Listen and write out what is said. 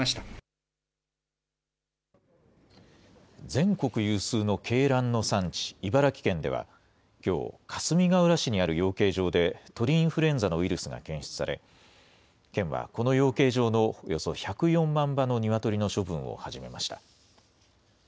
全国有数の鶏卵の産地、茨城県ではきょう、かすみがうら市にある養鶏場で、鳥インフルエンザのウイルスが検出され、県はこの養鶏場のおよそ１０４万羽のニワトリの処分を始めました。